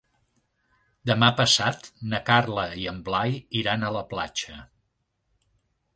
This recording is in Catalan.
Demà passat na Carla i en Blai iran a la platja.